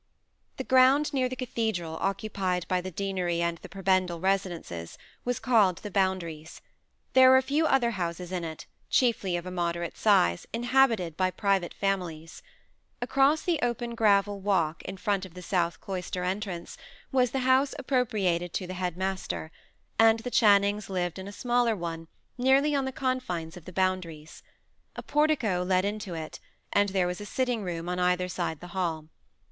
The ground near the cathedral, occupied by the deanery and the prebendal residences, was called the Boundaries. There were a few other houses in it, chiefly of a moderate size, inhabited by private families. Across the open gravel walk, in front of the south cloister entrance, was the house appropriated to the headmaster; and the Channings lived in a smaller one, nearly on the confines of the Boundaries. A portico led into it, and there was a sitting room on either side the hall.